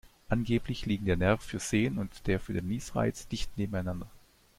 Angeblich liegen der Nerv fürs Sehen und der für den Niesreiz dicht nebeneinander.